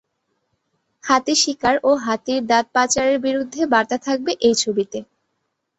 হাতি শিকার ও হাতির দাঁত পাচারের বিরুদ্ধে বার্তা থাকবে এই ছবিতে।